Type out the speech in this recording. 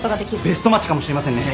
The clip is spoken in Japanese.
ベストマッチかもしれませんね。